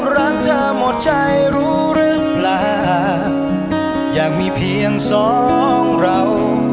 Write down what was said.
รักเธอหมดใจรู้หรือเปล่าอยากมีเพียงสองเรา